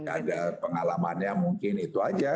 ada pengalamannya mungkin itu aja